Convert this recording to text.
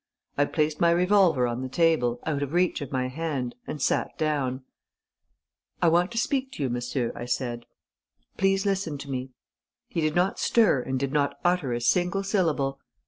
I placed my revolver on the table, out of reach of my hand, and sat down: 'I want to speak to you, monsieur,' I said. 'Please listen to me.' He did not stir and did not utter a single syllable.